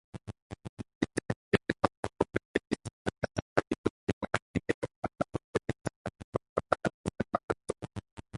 Li cetere partoprenis al la starigo de monaĥinejo en la florenca kvartalo San Marco.